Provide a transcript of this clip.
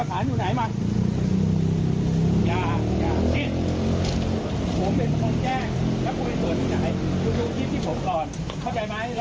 นับมาโด่งเหมืองใหญ่